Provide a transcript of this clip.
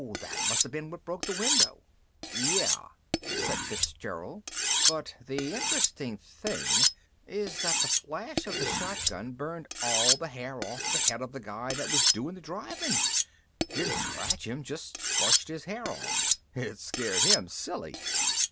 That must have been what broke the window!" "Yeah," said Fitzgerald. "But the interesting thing is that the flash of the shotgun burned all the hair off the head of the guy that was doin' the drivin'. It didn't scratch him, just scorched his hair off. It scared him silly."